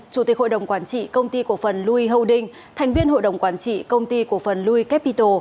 chủ tịch hội đồng quản trị công ty cổ phần louis holding thành viên hội đồng quản trị công ty cổ phần louis capital